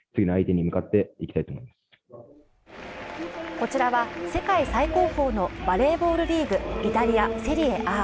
こちらは世界最高峰のバレーボールリーグ、イタリア・セリエＡ。